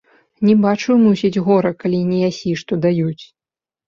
Не бачыў, мусіць, гора, калі не ясі, што даюць.